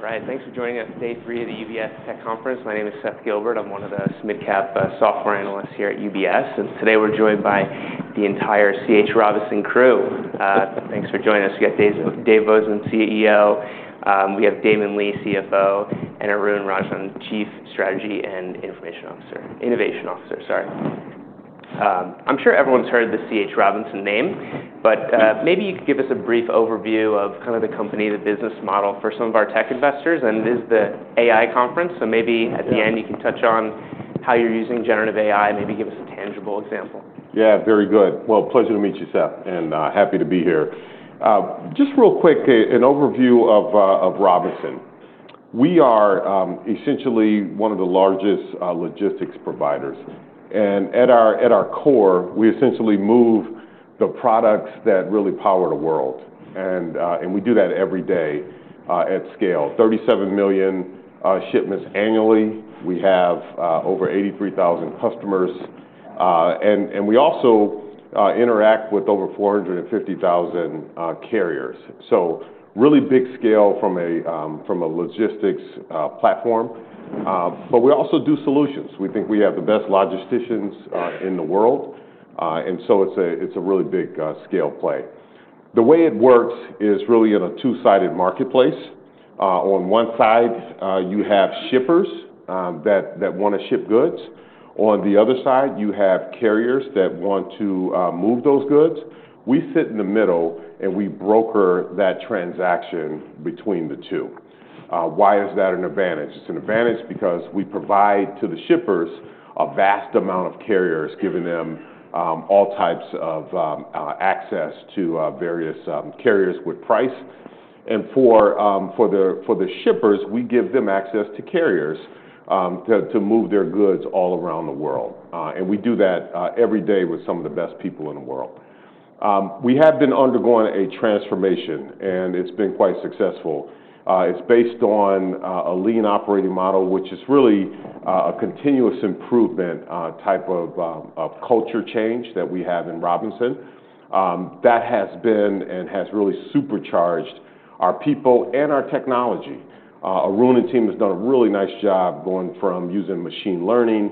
All right. Thanks for joining us today at UBS Tech Conference. My name is Seth Gilbert. I'm one of the mid-cap software analysts here at UBS. And today we're joined by the entire C.H. Robinson crew. Thanks for joining us. We got Dave Bozeman, CEO. We have Damon Lee, CFO, and Arun Rajan, Chief Strategy and Innovation Officer. Sorry. I'm sure everyone's heard the C.H. Robinson name, but maybe you could give us a brief overview of kind of the company, the business model for some of our tech investors. And it is the AI Conference, so maybe at the end you can touch on how you're using generative AI, maybe give us a tangible example. Yeah. Very good. Well, pleasure to meet you, Seth, and happy to be here. Just real quick, an overview of Robinson. We are essentially one of the largest logistics providers. And at our core, we essentially move the products that really power the world. And we do that every day at scale. 37 million shipments annually. We have over 83,000 customers. And we also interact with over 450,000 carriers. So really big scale from a logistics platform. But we also do solutions. We think we have the best logisticians in the world. And so it's a really big scale play. The way it works is really in a two-sided marketplace. On one side, you have shippers that want to ship goods. On the other side, you have carriers that want to move those goods. We sit in the middle and we broker that transaction between the two. Why is that an advantage? It's an advantage because we provide to the shippers a vast amount of carriers, giving them all types of access to various carriers with price. And for the shippers, we give them access to carriers to move their goods all around the world, and we do that every day with some of the best people in the world. We have been undergoing a transformation and it's been quite successful. It's based on a lean operating model, which is really a continuous improvement type of culture change that we have in Robinson. That has been and has really supercharged our people and our technology. Arun and team has done a really nice job going from using machine learning.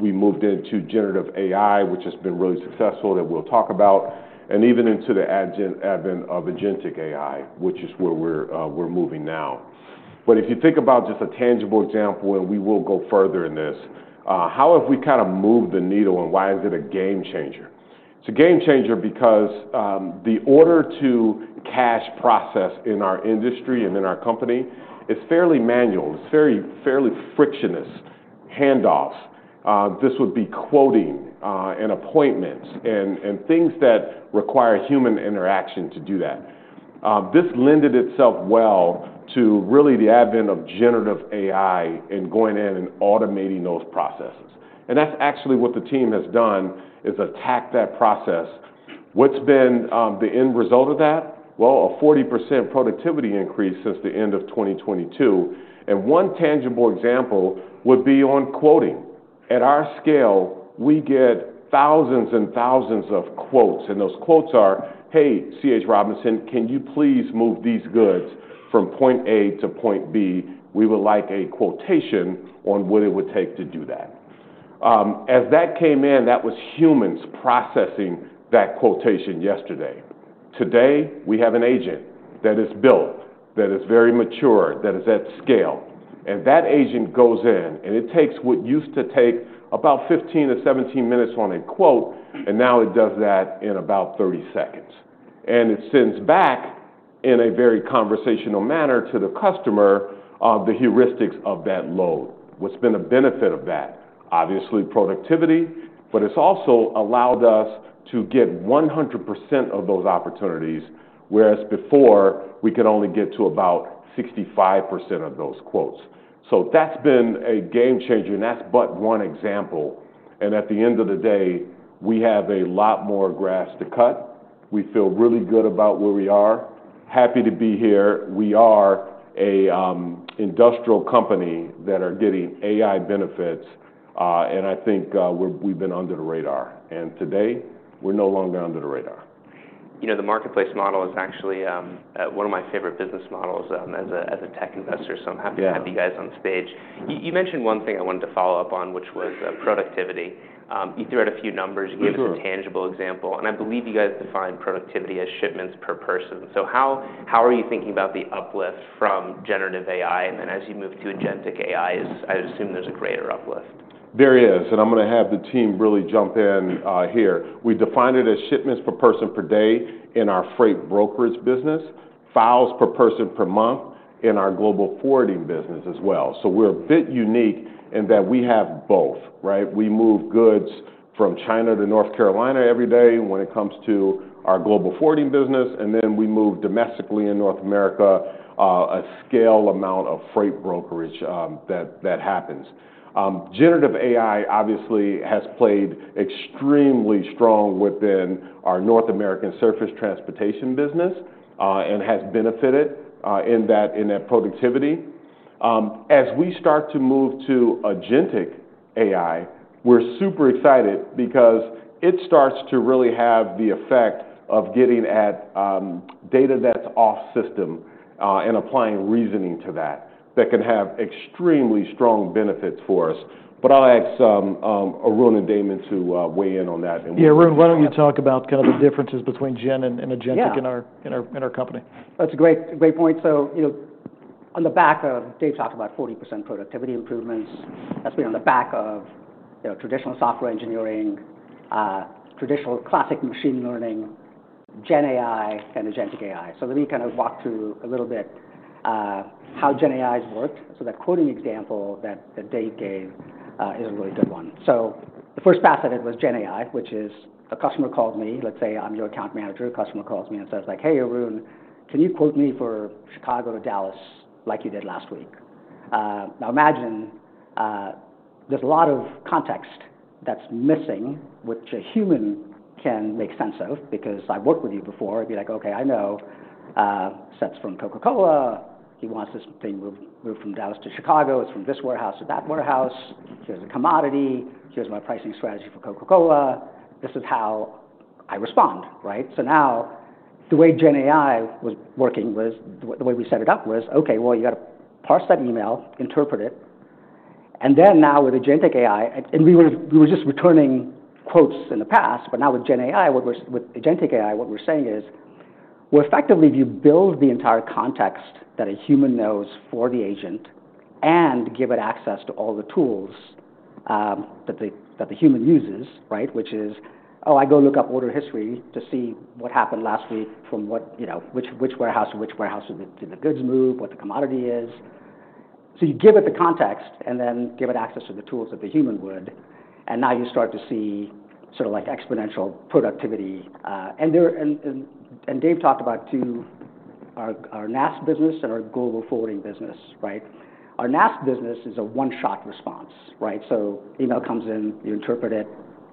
We moved into generative AI, which has been really successful, that we'll talk about and even into the advent of agentic AI, which is where we're moving now, but if you think about just a tangible example, and we will go further in this, how have we kind of moved the needle and why is it a game changer? It's a game changer because the order to cash process in our industry and in our company is fairly manual. It's fairly frictionless handoffs. This would be quoting and appointments and things that require human interaction to do that. This lent itself well to really the advent of generative AI and going in and automating those processes, and that's actually what the team has done is attack that process. What's been the end result of that? A 40% productivity increase since the end of 2022. One tangible example would be on quoting. At our scale, we get thousands and thousands of quotes. And those quotes are, "Hey, C.H. Robinson, can you please move these goods from point A to point B? We would like a quotation on what it would take to do that." As that came in, that was humans processing that quotation yesterday. Today we have an agent that is built, that is very mature, that is at scale. And that agent goes in and it takes what used to take about 15 minutes-17 minutes on a quote, and now it does that in about 30 seconds. And it sends back in a very conversational manner to the customer, the heuristics of that load. What's been a benefit of that? Obviously, productivity, but it's also allowed us to get 100% of those opportunities, whereas before we could only get to about 65% of those quotes. So that's been a game changer. And that's but one example. And at the end of the day, we have a lot more grass to cut. We feel really good about where we are. Happy to be here. We are an industrial company that are getting AI benefits. And I think, we're. We've been under the radar. And today we're no longer under the radar. You know, the marketplace model is actually one of my favorite business models as a tech investor. So I'm happy to have you guys on stage. You mentioned one thing I wanted to follow up on, which was productivity. You threw out a few numbers. You gave us a tangible example. And I believe you guys define productivity as shipments per person. So how are you thinking about the uplift from generative AI? And then as you move to agentic AI, I assume there's a greater uplift. There is, and I'm gonna have the team really jump in here. We define it as shipments per person per day in our freight brokerage business, files per person per month in our global forwarding business as well. We're a bit unique in that we have both, right? We move goods from China to North Carolina every day when it comes to our global forwarding business. Then we move domestically in North America a scale amount of freight brokerage that happens. Generative AI obviously has played extremely strong within our North American surface transportation business and has benefited in that productivity. As we start to move to agentic AI, we're super excited because it starts to really have the effect of getting at data that's off system and applying reasoning to that that can have extremely strong benefits for us. But I'll ask Arun and Damon to weigh in on that. Yeah. Arun, why don't you talk about kind of the differences between gen and agentic in our company? That's a great, great point. So, you know, on the back of Dave talked about 40% productivity improvements. That's been on the back of, you know, traditional software engineering, traditional classic machine learning, gen AI, and agentic AI. So let me kind of walk through a little bit, how gen AI's worked. So that quoting example that Dave gave, is a really good one. So the first pass at it was gen AI, which is a customer called me, let's say I'm your account manager, customer calls me and says like, "Hey Arun, can you quote me for Chicago to Dallas like you did last week?" Now imagine, there's a lot of context that's missing which a human can make sense of because I've worked with you before. It'd be like, "Okay, I know, sets from Coca-Cola. He wants this thing moved, moved from Dallas to Chicago. It's from this warehouse to that warehouse. Here's a commodity. Here's my pricing strategy for Coca-Cola. This is how I respond, right? So now the way gen AI was working was the way we set it up was, "Okay, well, you gotta parse that email, interpret it." And then now with agentic AI, we were just returning quotes in the past, but now with gen AI, with agentic AI, what we're saying is, well, effectively if you build the entire context that a human knows for the agent and give it access to all the tools that the human uses, right? Which is, "Oh, I go look up order history to see what happened last week from what, you know, which warehouse to which warehouse did the goods move, what the commodity is." So you give it the context and then give it access to the tools that the human would. And now you start to see sort of like exponential productivity. And Dave talked about our NAS business and our global forwarding business, right? Our NAS business is a one-shot response, right? So email comes in, you interpret it,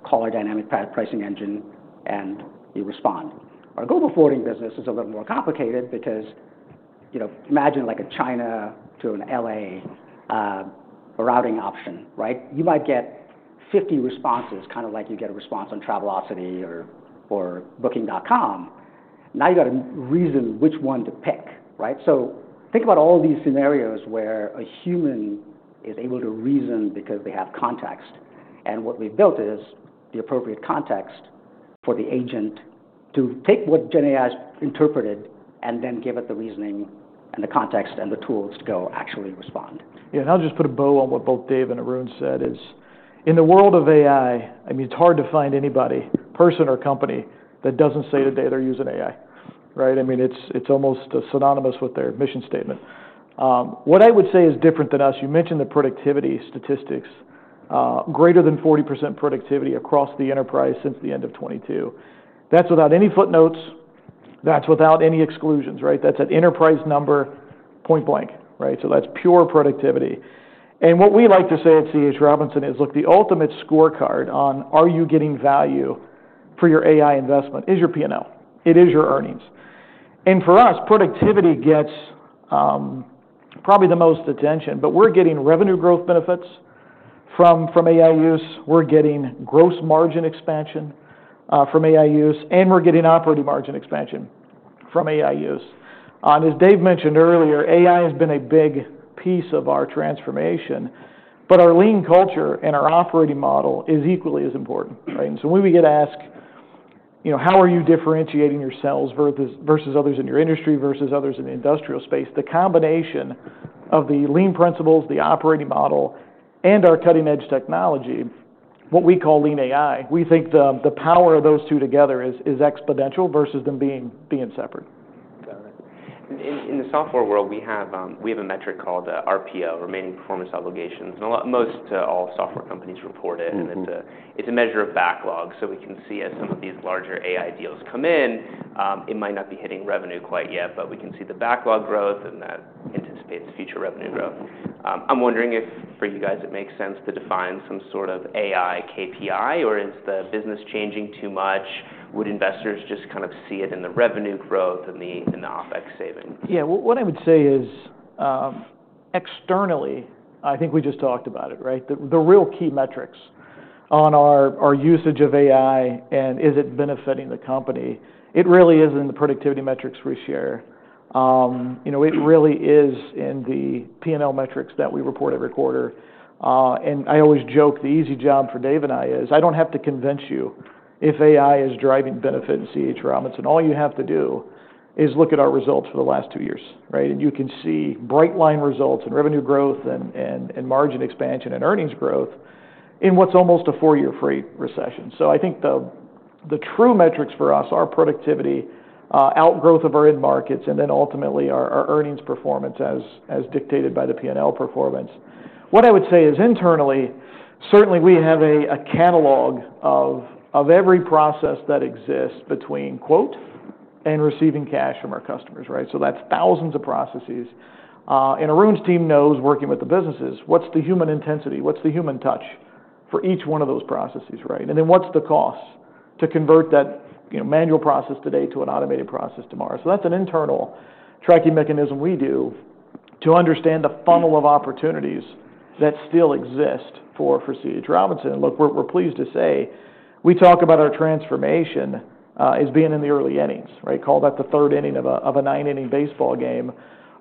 call our dynamic pricing engine, and you respond. Our global forwarding business is a little more complicated because, you know, imagine like a China to an L.A. routing option, right? You might get 50 responses, kind of like you get a response on Travelocity or Booking.com. Now you gotta reason which one to pick, right? So think about all these scenarios where a human is able to reason because they have context. And what we've built is the appropriate context for the agent to take what gen AI's interpreted and then give it the reasoning and the context and the tools to go actually respond. Yeah. And I'll just put a bow on what both Dave and Arun said is in the world of AI, I mean, it's hard to find anybody, person or company that doesn't say today they're using AI, right? I mean, it's almost synonymous with their mission statement. What I would say is different than us, you mentioned the productivity statistics, greater than 40% productivity across the enterprise since the end of 2022. That's without any footnotes. That's without any exclusions, right? That's an enterprise number, point blank, right? So that's pure productivity. And what we like to say at C.H. Robinson is, look, the ultimate scorecard on are you getting value for your AI investment is your P&L. It is your earnings. And for us, productivity gets probably the most attention, but we're getting revenue growth benefits from AI use. We're getting gross margin expansion from AI use, and we're getting operating margin expansion from AI use, and as Dave mentioned earlier, AI has been a big piece of our transformation, but our lean culture and our operating model is equally as important, right? And so when we get asked, you know, how are you differentiating yourselves versus others in your industry versus others in the industrial space, the combination of the lean principles, the operating model, and our cutting-edge technology, what we call lean AI, we think the power of those two together is exponential versus them being separate. Got it. In the software world, we have a metric called RPO, Remaining Performance Obligations. And a lot, most, all software companies report it. And it's a measure of backlog. So we can see as some of these larger AI deals come in, it might not be hitting revenue quite yet, but we can see the backlog growth and that anticipates future revenue growth. I'm wondering if for you guys it makes sense to define some sort of AI KPI, or is the business changing too much? Would investors just kind of see it in the revenue growth and the OpEx savings? Yeah. Well, what I would say is, externally, I think we just talked about it, right? The real key metrics on our usage of AI and is it benefiting the company? It really is in the productivity metrics we share. You know, it really is in the P&L metrics that we report every quarter. I always joke the easy job for Dave and I is I don't have to convince you if AI is driving benefit in C.H. Robinson. All you have to do is look at our results for the last two years, right? And you can see bright line results and revenue growth and margin expansion and earnings growth in what's almost a four-year freight recession. So I think the true metrics for us are productivity, outgrowth of our end markets, and then ultimately our earnings performance as dictated by the P&L performance. What I would say is internally, certainly we have a catalog of every process that exists between quote and receiving cash from our customers, right? So that's thousands of processes, and Arun's team knows working with the businesses, what's the human intensity, what's the human touch for each one of those processes, right? And then what's the cost to convert that, you know, manual process today to an automated process tomorrow? So that's an internal tracking mechanism we do to understand the funnel of opportunities that still exist for C.H. Robinson. And look, we're pleased to say we talk about our transformation as being in the early innings, right? Call that the third inning of a nine-inning baseball game,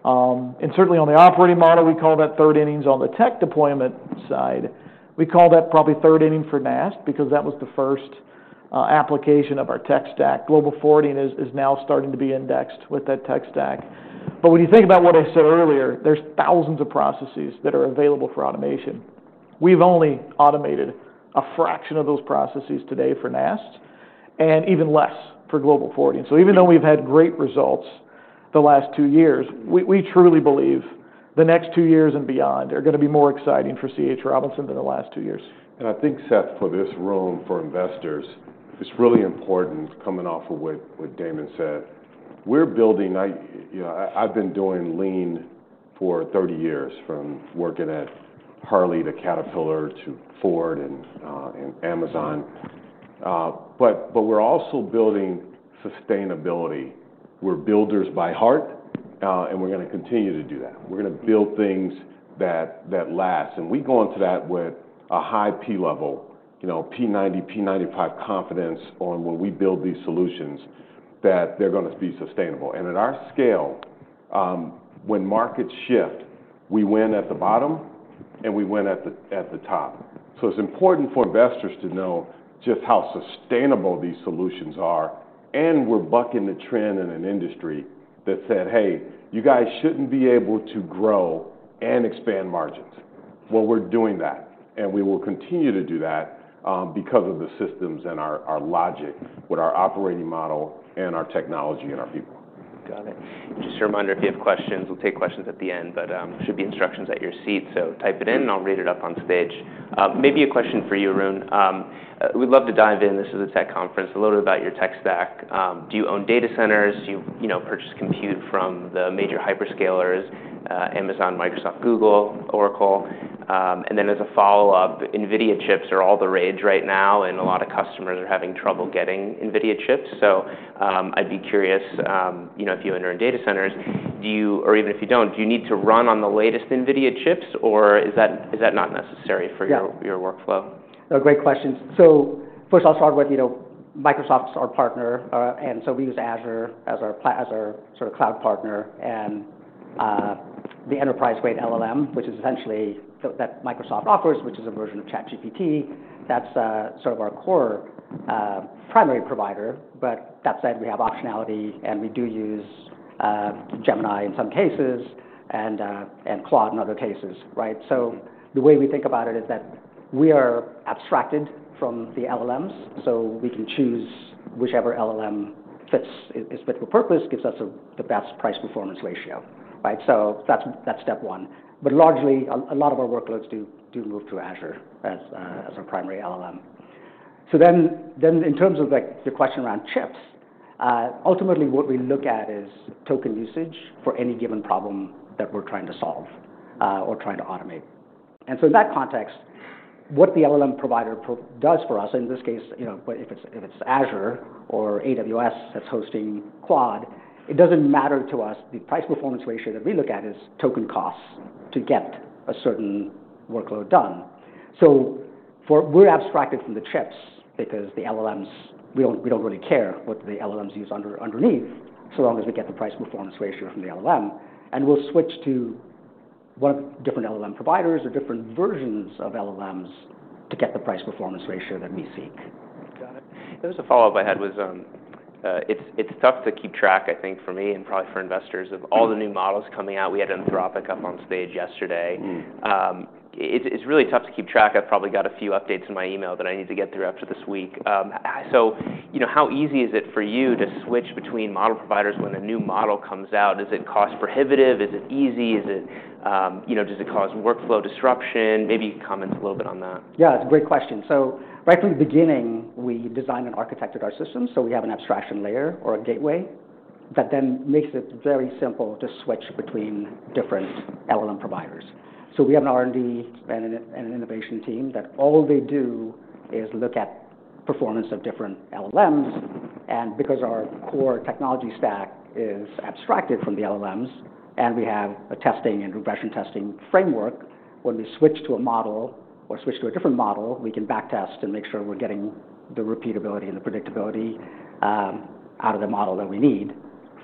and certainly on the operating model, we call that third innings. On the tech deployment side, we call that probably third inning for NAS because that was the first application of our tech stack. Global forwarding is now starting to be indexed with that tech stack. But when you think about what I said earlier, there's thousands of processes that are available for automation. We've only automated a fraction of those processes today for NAS and even less for global forwarding. So even though we've had great results the last two years, we truly believe the next two years and beyond are gonna be more exciting for C.H. Robinson than the last two years. I think, Seth, for this room for investors, it's really important coming off of what Damon said. We're building, you know, I've been doing lean for 30 years from working at Harley to Caterpillar to Ford and Amazon. But we're also building sustainability. We're builders by heart, and we're gonna continue to do that. We're gonna build things that last. We go into that with a high P level, you know, P90, P95 confidence on when we build these solutions that they're gonna be sustainable. At our scale, when markets shift, we win at the bottom and we win at the top. It's important for investors to know just how sustainable these solutions are. We're bucking the trend in an industry that said, "Hey, you guys shouldn't be able to grow and expand margins." We're doing that. We will continue to do that, because of the systems and our logic, what our operating model and our technology and our people. Got it. Just a reminder, if you have questions, we'll take questions at the end, but should be instructions at your seat. So type it in and I'll read it up on stage. Maybe a question for you, Arun. We'd love to dive in. This is a tech conference, a little bit about your tech stack. Do you own data centers? Do you, you know, purchase compute from the major hyperscalers, Amazon, Microsoft, Google, Oracle? And then as a follow-up, NVIDIA chips are all the rage right now and a lot of customers are having trouble getting NVIDIA chips. So, I'd be curious, you know, if you enter in data centers, do you, or even if you don't, do you need to run on the latest NVIDIA chips or is that, is that not necessary for your, your workflow? No, great questions. So first I'll start with, you know, Microsoft's our partner. And so we use Azure as our sort of cloud partner. The enterprise-grade LLM, which is essentially that Microsoft offers, which is a version of ChatGPT, that's sort of our core, primary provider. But that said, we have optionality and we do use Gemini in some cases and Claude in other cases, right? So the way we think about it is that we are abstracted from the LLMs. So we can choose whichever LLM fits, is fit for purpose, gives us the best price-performance ratio, right? So that's step one. But largely, a lot of our workloads do move to Azure as our primary LLM. So, then in terms of like the question around chips, ultimately what we look at is token usage for any given problem that we're trying to solve, or trying to automate. And so in that context, what the LLM provider does for us, in this case, you know, if it's Azure or AWS that's hosting Claude, it doesn't matter to us. The price-performance ratio that we look at is token costs to get a certain workload done. So, we're abstracted from the chips because the LLMs, we don't really care what the LLMs use underneath, so long as we get the price-performance ratio from the LLM. And we'll switch to one of different LLM providers or different versions of LLMs to get the price-performance ratio that we seek. Got it. There was a follow-up I had. It's tough to keep track, I think for me and probably for investors, of all the new models coming out. We had Anthropic up on stage yesterday. It's really tough to keep track. I've probably got a few updates in my email that I need to get through after this week, so you know, how easy is it for you to switch between model providers when a new model comes out? Is it cost-prohibitive? Is it easy? Is it, you know, does it cause workflow disruption? Maybe you can comment a little bit on that. Yeah, it's a great question. So right from the beginning, we design and architect our systems. So we have an abstraction layer or a gateway that then makes it very simple to switch between different LLM providers. So we have an R&D and an innovation team that all they do is look at performance of different LLMs. And because our core technology stack is abstracted from the LLMs and we have a testing and regression testing framework, when we switch to a model or switch to a different model, we can backtest and make sure we're getting the repeatability and the predictability out of the model that we need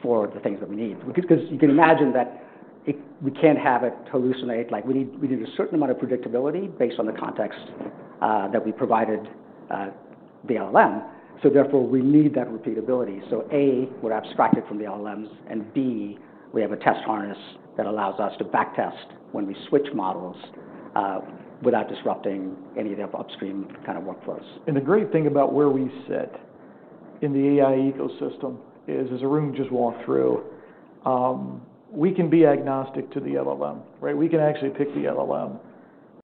for the things that we need. Because you can imagine that if we can't have it hallucinate, like we need, we need a certain amount of predictability based on the context that we provided, the LLM. So therefore we need that repeatability. So A, we're abstracted from the LLMs and B, we have a test harness that allows us to backtest when we switch models, without disrupting any of the upstream kind of workflows. The great thing about where we sit in the AI ecosystem is, as Arun just walked through, we can be agnostic to the LLM, right? We can actually pick the LLM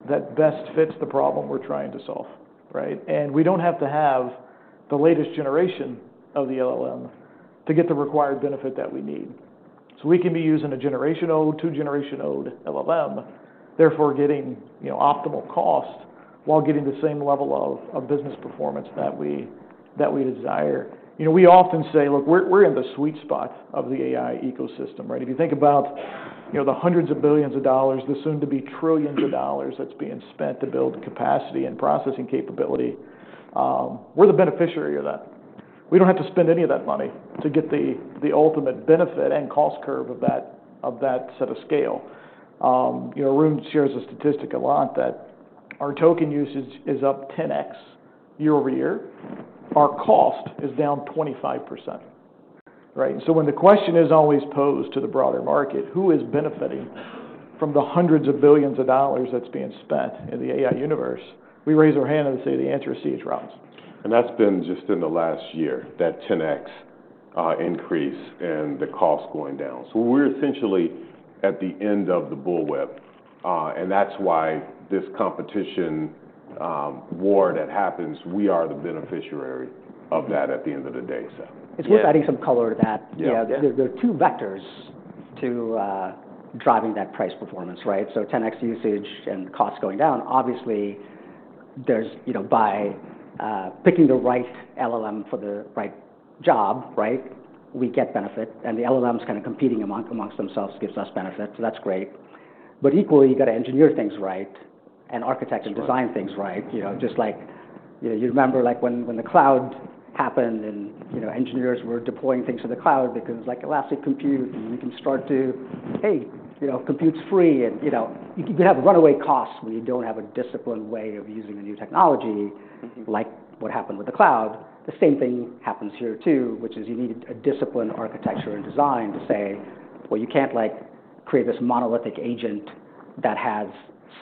that best fits the problem we're trying to solve, right? And we don't have to have the latest generation of the LLM to get the required benefit that we need. So we can be using a generation-old, two-generation-old LLM, therefore getting, you know, optimal cost while getting the same level of, of business performance that we, that we desire. You know, we often say, look, we're, we're in the sweet spot of the AI ecosystem, right? If you think about, you know, the hundreds of billions of dollars, the soon-to-be trillions of dollars that's being spent to build capacity and processing capability, we're the beneficiary of that. We don't have to spend any of that money to get the ultimate benefit and cost curve of that set of scale. You know, Arun shares a statistic a lot that our token usage is up 10X year over year. Our cost is down 25%, right? And so when the question is always posed to the broader market, who is benefiting from the hundreds of billions of dollars that's being spent in the AI universe? We raise our hand and say the answer is C.H. Robinson. That's been just in the last year, that 10x increase and the cost going down. We're essentially at the end of the bullwhip, and that's why this competition war that happens. We are the beneficiary of that at the end of the day, Seth. It's worth adding some color to that. Yeah. You know, there are two vectors to driving that price performance, right? So 10X usage and cost going down, obviously there's, you know, by picking the right LLM for the right job, right? We get benefit. And the LLMs kind of competing amongst themselves gives us benefit. So that's great. But equally, you gotta engineer things right and architect and design things right. You know, just like, you know, you remember like when the cloud happened and, you know, engineers were deploying things to the cloud because it was like elastic compute and we can start to, hey, you know, compute's free and, you know, you can have runaway costs when you don't have a disciplined way of using a new technology like what happened with the cloud. The same thing happens here too, which is you need a disciplined architecture and design to say, well, you can't like create this monolithic agent that has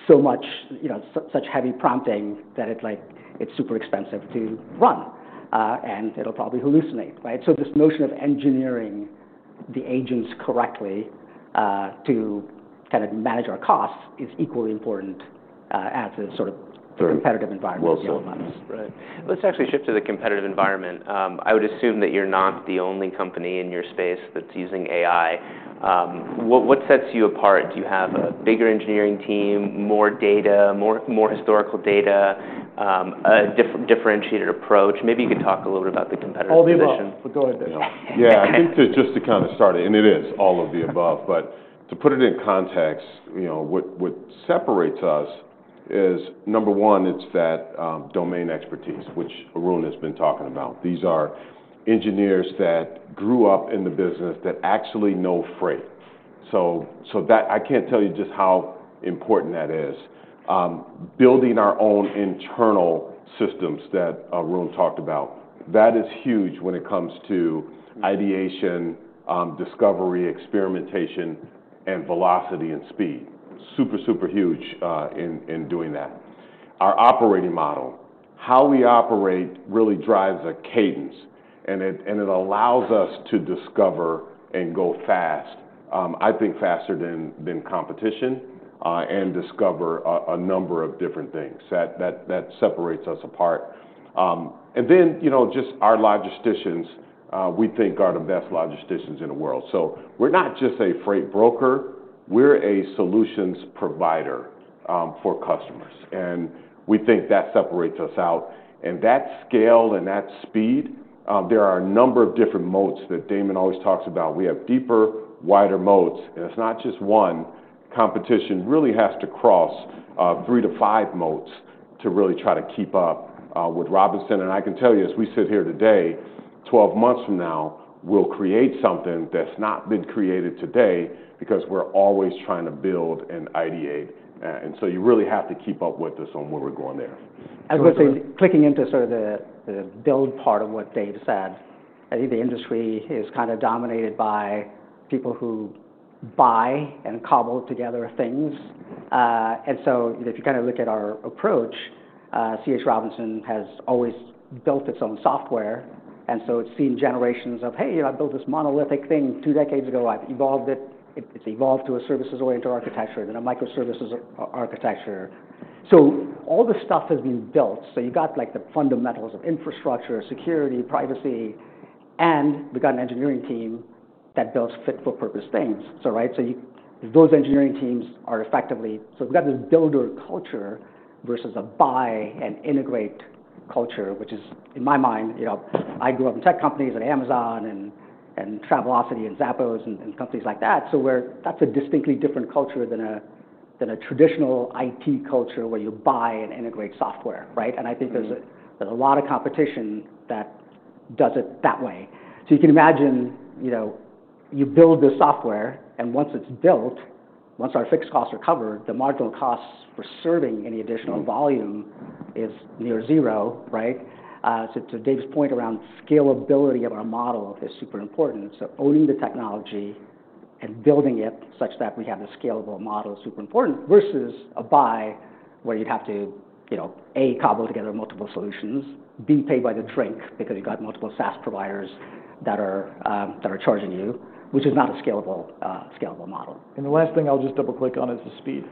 so much, you know, such heavy prompting that it's like, it's super expensive to run, and it'll probably hallucinate, right? So this notion of engineering the agents correctly, to kind of manage our costs is equally important, as the sort of competitive environment. Let's actually shift to the competitive environment. I would assume that you're not the only company in your space that's using AI. What, what sets you apart? Do you have a bigger engineering team, more data, more, more historical data, a differentiated approach? Maybe you could talk a little bit about the competitive position. All the above. Let's go right there. Yeah. I think to just to kind of start it, and it is all of the above, but to put it in context, you know, what, what separates us is number one, it's that domain expertise, which Arun has been talking about. These are engineers that grew up in the business that actually know freight. So, so that I can't tell you just how important that is. Building our own internal systems that Arun talked about, that is huge when it comes to ideation, discovery, experimentation, and velocity and speed. Super, super huge, in, in doing that. Our operating model, how we operate really drives a cadence and it, and it allows us to discover and go fast, I think faster than, than competition, and discover a, a number of different things that, that, that separates us apart. And then, you know, just our logisticians, we think are the best logisticians in the world. So we're not just a freight broker, we're a solutions provider for customers. And we think that separates us out. And that scale and that speed, there are a number of different modes that Damon always talks about. We have deeper, wider modes, and it's not just one. Competition really has to cross three to five modes to really try to keep up with Robinson. And I can tell you, as we sit here today, 12 months from now, we'll create something that's not been created today because we're always trying to build and ideate. And so you really have to keep up with us on where we're going there. As I was saying, clicking into sort of the build part of what Dave said, I think the industry is kind of dominated by people who buy and cobble together things. So if you kind of look at our approach, C.H. Robinson has always built its own software. And so it's seen generations of, hey, you know, I built this monolithic thing two decades ago. I've evolved it. It's evolved to a services-oriented architecture and then a microservices architecture. So all the stuff has been built. So you got like the fundamentals of infrastructure, security, privacy, and we got an engineering team that builds fit-for-purpose things. So, right? So you, those engineering teams are effectively so we've got this builder culture versus a buy and integrate culture, which is in my mind, you know, I grew up in tech companies and Amazon and, and Travelocity and Zappos and, and companies like that. So we're, that's a distinctly different culture than a, than a traditional IT culture where you buy and integrate software, right? And I think there's a, there's a lot of competition that does it that way. So you can imagine, you know, you build the software and once it's built, once our fixed costs are covered, the marginal costs for serving any additional volume is near zero, right? To, to Dave's point around scalability of our model is super important. Owning the technology and building it such that we have a scalable model is super important versus a buy where you'd have to, you know, A, cobble together multiple solutions, B, pay by the drink because you've got multiple SaaS providers that are charging you, which is not a scalable model. And the last thing I'll just double-click on is the speed,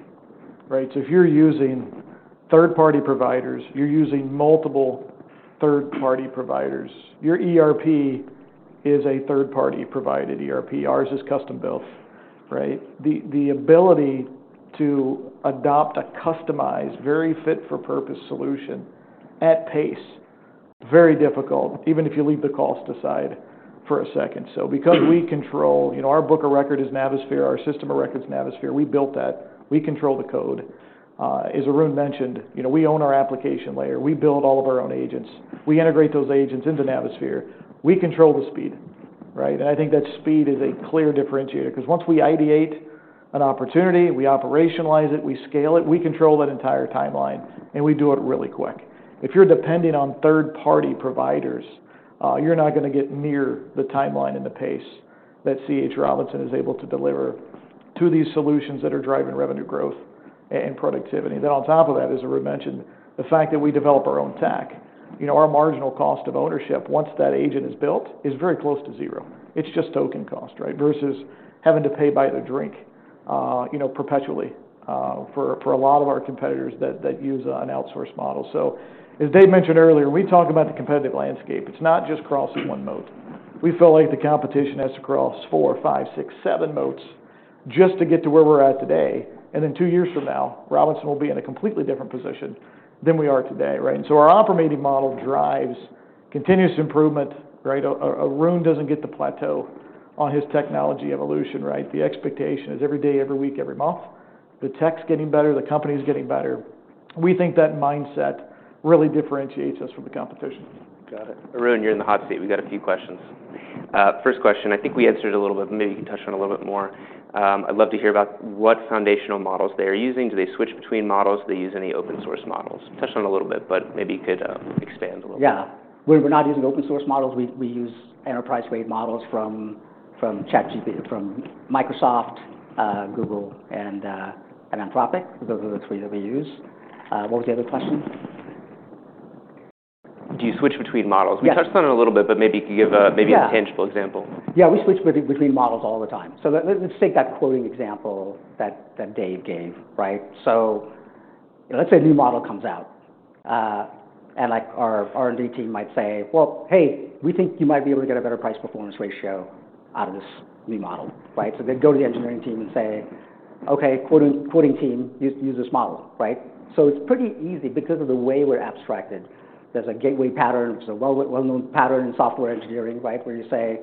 right? So if you're using third-party providers, you're using multiple third-party providers. Your ERP is a third-party-provided ERP. Ours is custom-built, right? The ability to adopt a customized, very fit-for-purpose solution at pace, very difficult, even if you leave the cost aside for a second. So because we control, you know, our book of record is Navisphere, our system of record's Navisphere. We built that. We control the code. As Arun mentioned, you know, we own our application layer. We build all of our own agents. We integrate those agents into Navisphere. We control the speed, right? And I think that speed is a clear differentiator because once we ideate an opportunity, we operationalize it, we scale it, we control that entire timeline, and we do it really quick. If you're depending on third-party providers, you're not going to get near the timeline and the pace that C.H. Robinson is able to deliver to these solutions that are driving revenue growth and productivity. Then on top of that, as Arun mentioned, the fact that we develop our own tech, you know, our marginal cost of ownership, once that agent is built, is very close to zero. It's just token cost, right? Versus having to pay by the drink, you know, perpetually, for, for a lot of our competitors that, that use an outsourced model. So as Dave mentioned earlier, when we talk about the competitive landscape, it's not just crossing one mode. We feel like the competition has to cross four, five, six, seven modes just to get to where we're at today. And then two years from now, Robinson will be in a completely different position than we are today, right? And so our operating model drives continuous improvement, right? Arun doesn't get to plateau on his technology evolution, right? The expectation is every day, every week, every month, the tech's getting better, the company's getting better. We think that mindset really differentiates us from the competition. Got it. Arun, you're in the hot seat. We've got a few questions. First question, I think we answered a little bit, maybe you can touch on a little bit more. I'd love to hear about what foundational models they are using. Do they switch between models? Do they use any open-source models? Touch on it a little bit, but maybe you could expand a little bit. Yeah. We're not using open-source models. We use enterprise-grade models from ChatGPT, from Microsoft, Google, and Anthropic. Those are the three that we use. What was the other question? Do you switch between models? We touched on it a little bit, but maybe you could give a tangible example. Yeah, we switch between models all the time. So let's take that quoting example that Dave gave, right? So let's say a new model comes out, and like our R&D team might say, well, hey, we think you might be able to get a better price-performance ratio out of this new model, right? So they go to the engineering team and say, okay, quoting team, use this model, right? So it's pretty easy because of the way we're abstracted. There's a Gateway pattern, which is a well-known pattern in software engineering, right? Where you say,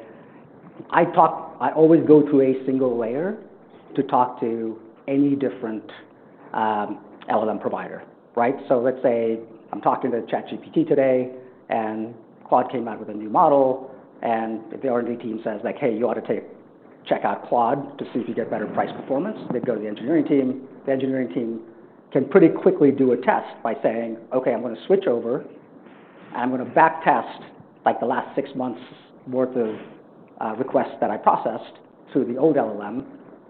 I talk, I always go through a single layer to talk to any different LLM provider, right? So let's say I'm talking to ChatGPT today and Claude came out with a new model and the R&D team says like, hey, you ought to check out Claude to see if you get better price performance. They go to the engineering team. The engineering team can pretty quickly do a test by saying, okay, I'm going to switch over. I'm going to backtest like the last six months' worth of requests that I processed to the old LLM.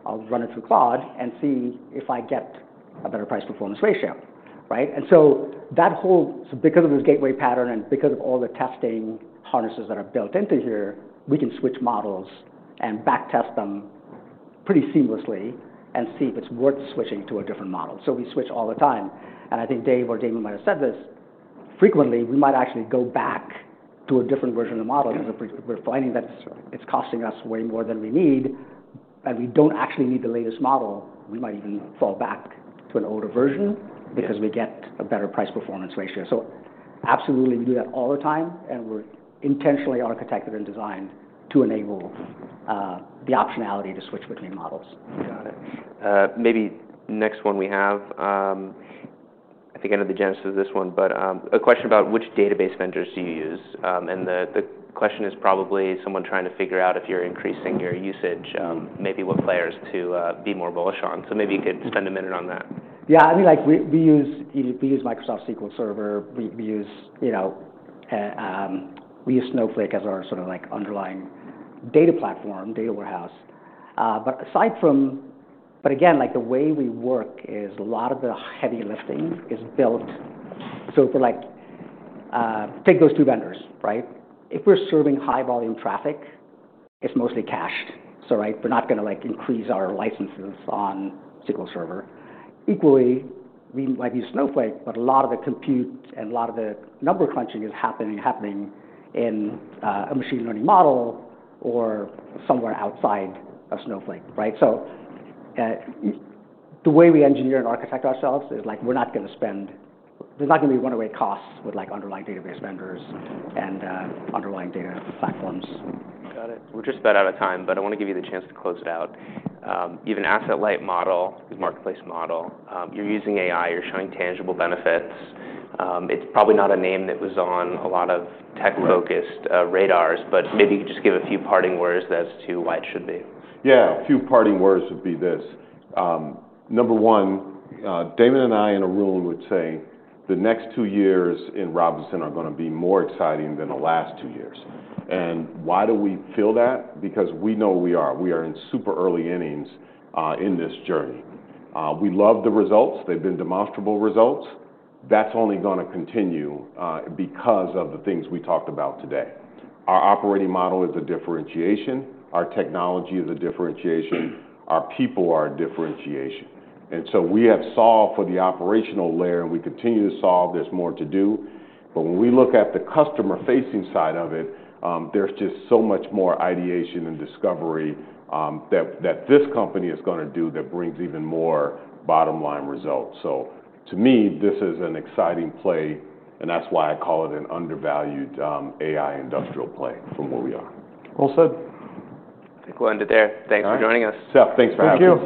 I'll run it through Claude and see if I get a better price-performance ratio, right? And so that whole, because of this gateway pattern and because of all the testing harnesses that are built into here, we can switch models and backtest them pretty seamlessly and see if it's worth switching to a different model. So we switch all the time. And I think Dave or Damon might have said this frequently, we might actually go back to a different version of the model because we're finding that it's costing us way more than we need, and we don't actually need the latest model. We might even fall back to an older version because we get a better price-performance ratio. So absolutely, we do that all the time, and we're intentionally architected and designed to enable the optionality to switch between models. Got it. Maybe next one we have, I think I know the genesis of this one, but a question about which database vendors do you use?, and the question is probably someone trying to figure out if you're increasing your usage, maybe what players to be more bullish on. So maybe you could spend a minute on that. Yeah. I mean, like we use Microsoft SQL Server. We use, you know, Snowflake as our sort of like underlying data platform, data warehouse. But again, like the way we work is a lot of the heavy lifting is built. So for like, take those two vendors, right? If we're serving high-volume traffic, it's mostly cached. So, right? We're not going to like increase our licenses on SQL Server. Equally, we might use Snowflake, but a lot of the compute and a lot of the number crunching is happening in a machine learning model or somewhere outside of Snowflake, right? So, the way we engineer and architect ourselves is like we're not going to spend. There's not going to be runaway costs with like underlying database vendors and underlying data platforms. Got it. We're just about out of time, but I want to give you the chance to close it out. You have an asset-light model, a marketplace model. You're using AI. You're showing tangible benefits. It's probably not a name that was on a lot of tech-focused radars, but maybe you could just give a few parting words as to why it should be. Yeah. A few parting words would be this. Number one, Damon and I and Arun would say the next two years in Robinson are going to be more exciting than the last two years. And why do we feel that? Because we know who we are. We are in super early innings in this journey. We love the results. They've been demonstrable results. That's only going to continue because of the things we talked about today. Our operating model is a differentiation. Our technology is a differentiation. Our people are a differentiation. And so we have solved for the operational layer, and we continue to solve. There's more to do. But when we look at the customer-facing side of it, there's just so much more ideation and discovery that this company is going to do that brings even more bottom-line results. So to me, this is an exciting play, and that's why I call it an undervalued, AI industrial play from where we are. Well said. I think we'll end it there. Thanks for joining us. All right. Seth, thanks for having me. Thank you.